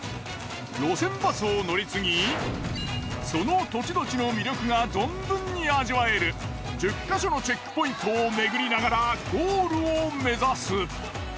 路線バスを乗り継ぎその土地土地の魅力が存分に味わえる１０か所のチェックポイントを巡りながらゴールを目指す。